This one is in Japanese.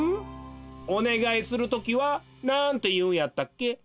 おねがいするときはなんていうんやったっけ？